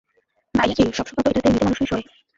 ভাইয়াজি, সবসময় তো এটাতে মৃত মানুষই শোয়।